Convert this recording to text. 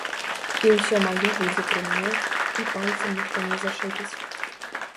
І ўсё маё будзе пры мне, і пальцам ніхто не зачэпіць.